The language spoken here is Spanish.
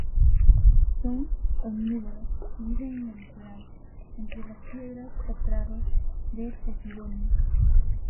Son omnívoros y viven en el litoral, entre las piedras o prados de "Posidonia".